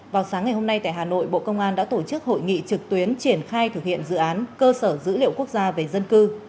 vào sáng ngày hôm nay tại hà nội bộ công an đã tổ chức hội nghị trực tuyến triển khai thực hiện dự án cơ sở dữ liệu quốc gia về dân cư